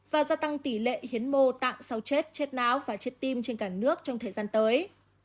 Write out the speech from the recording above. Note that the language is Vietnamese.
và gia tăng tỷ lệ hiến mô tạng sau chết chết não và chết tim trên cả nước trong thời gian tới